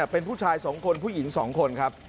เป็นผู้ชาย๒คนผู้หญิง๒คนครับ